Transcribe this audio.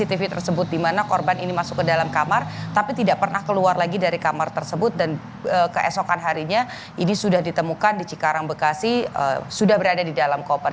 di tv tersebut di mana korban ini masuk ke dalam kamar tapi tidak pernah keluar lagi dari kamar tersebut dan keesokan harinya ini sudah ditemukan di cikarang bekasi sudah berada di dalam koper